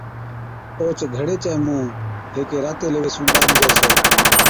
اوھچ گھڙي چَي مُونھ ھيڪي راتي ليوي (رُومالا) سُون ٻانڌجَي ڇَي